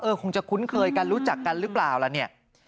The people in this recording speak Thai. คงจะคุ้นเคยกันรู้จักกันหรือเปล่าล่ะเนี่ย